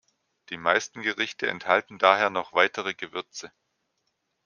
Die meisten Gerichte enthalten daher noch weitere Gewürze.